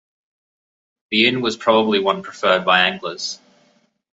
The inn was probably one preferred by anglers.